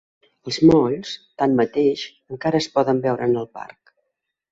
Els molls, tanmateix, encara es poden veure en el parc.